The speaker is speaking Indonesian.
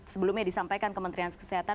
sebelumnya disampaikan kementerian kesehatan